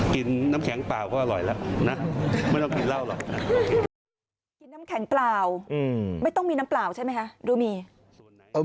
กินน้ำแข็งเปล่าไม่ต้องมีน้ำเปล่าใช่ไหมครับ